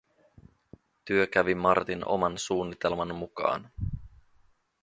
Työ kävi Martin oman suunnitelman mukaan.